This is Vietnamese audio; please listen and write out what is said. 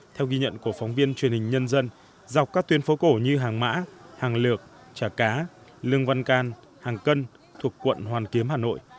theo ghi nhận của phóng viên truyền hình nhân dân dọc các tuyến phố cổ như hàng mã hàng lược trà cá lương văn can hàng cân thuộc quận hoàn kiếm hà nội